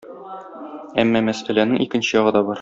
Әмма мәсьәләнең икенче ягы да бар.